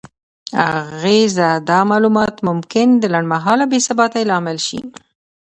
اغیزه: دا معلومات ممکن د لنډمهاله بې ثباتۍ لامل شي؛